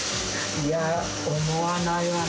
いや、思わないわね。